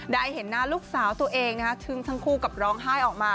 ได้เห็นหน้าลูกสาวตัวเองทึ่งทั้งคู่กับร้องไห้ออกมา